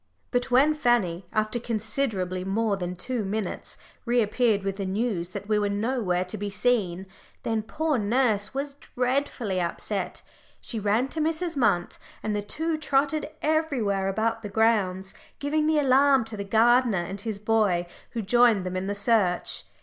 But when Fanny, after considerably more than two minutes, reappeared with the news that we were nowhere to be seen, then poor nurse was dreadfully upset. She ran to Mrs. Munt, and the two trotted everywhere about the grounds, giving the alarm to the gardener and his boy, who joined them in the search.